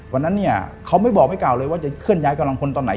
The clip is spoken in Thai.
วันนั้นเนี่ยเขาไม่บอกไม่เก่าเลยว่าจะเคลื่อนย้ายกำลังพลตอนไหน